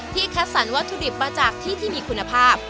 คัดสรรวัตถุดิบมาจากที่ที่มีคุณภาพ